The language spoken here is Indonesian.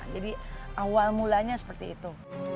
jadi awal mulanya seperti itu